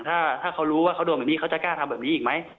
ถ้าเขารู้ว่าเขาโดนแบบนี้เขาจะกล้าทำแบบนี้อีกไหม